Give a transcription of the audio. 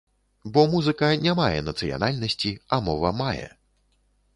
Бо музыка не мае нацыянальнасці, а мова мае.